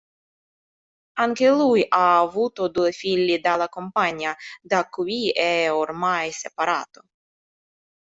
Anche lui ha avuto due figli dalla compagna, da cui è ormai separato.